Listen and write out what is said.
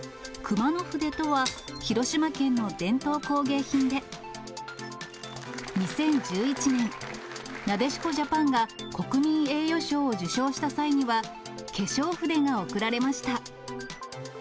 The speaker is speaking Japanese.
熊野筆とは、広島県の伝統工芸品で、２０１１年、なでしこジャパンが国民栄誉賞を受賞した際には、化粧筆が贈られました。